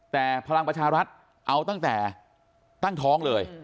แต่พลังประชารัฐเอาตั้งแต่ตั้งท้องเลย